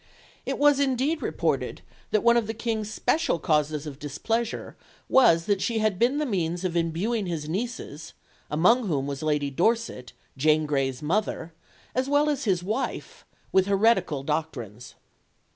It was indeed reported that one of the King's special causes of displeasure was that she had been the means of imbuing his nieces among whom was Lady Dorset, Jane Grey's mother as well as his wife, with heretical doctrines.